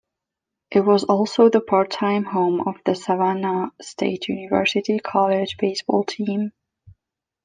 It was also the part-time home of the Savannah State University college baseball team.